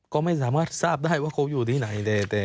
ก็ไม่สามารถทราบได้ว่าเขาอยู่ที่ไหนเลย